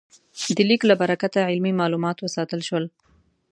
د لیک له برکته علمي مالومات وساتل شول.